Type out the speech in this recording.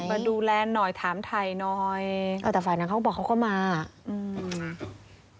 มาดูแลหน่อยถามถ่ายหน่อยเออแต่ฝ่ายนั้นเขาก็บอกเขาก็มาอืม